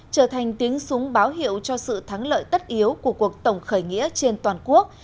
trở thành tiếng súng báo hiệu cho sự thắng lợi tất yếu của cuộc tổng khởi nghĩa trên toàn quốc